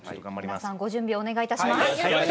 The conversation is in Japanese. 皆さんご準備をお願いいたします。